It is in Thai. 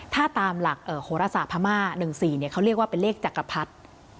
ถ้าตามหลักโหรศาสตพม่า๑๔เขาเรียกว่าเป็นเลขจักรพรรดิ